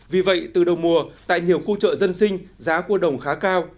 vì vậy từ đầu mùa tại nhiều khu chợ dân sinh giá cua đồng khá cao